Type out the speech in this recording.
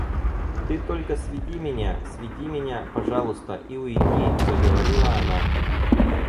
Ты только сведи меня, сведи меня, пожалуйста, и уйди, — заговорила она.